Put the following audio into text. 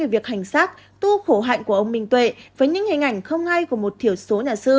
về việc hành xác tu khổ hạnh của ông minh tuệ với những hình ảnh không hay của một thiểu số nhà sư